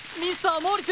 モーリス！